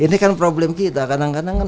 ini kan problem kita kadang kadang